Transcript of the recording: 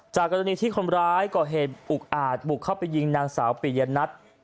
กรณีที่คนร้ายก่อเหตุอุกอาจบุกเข้าไปยิงนางสาวปิยนัท